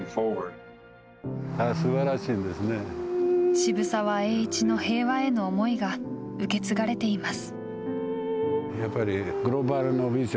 渋沢栄一の平和への思いが受け継がれています。